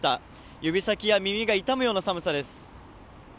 指先や耳が痛むような寒さです。